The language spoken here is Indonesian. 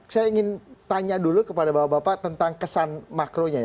saya ingin tanya dulu kepada bapak bapak tentang kesan makronya